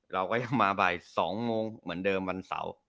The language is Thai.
เราก็ยังมาบ่าย๒โมงเหมือนเดิมวันเสาร์